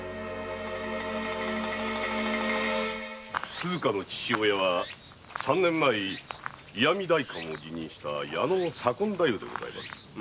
鈴加の父親は三年前に石見代官を辞任した矢野左近大夫でございます。